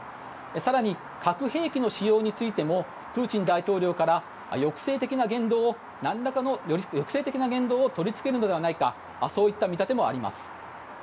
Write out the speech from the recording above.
更に、核兵器の使用についてもプーチン大統領から抑制的な言動を取り付けるのではないかそういった見立てもあります。